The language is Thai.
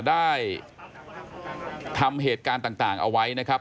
ได้ทำเหตุการณ์ต่างเอาไว้นะครับ